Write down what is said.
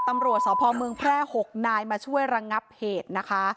ตำรวจสพเมืองแพร่๖นายมาช่วยระงับเหตุนะคะ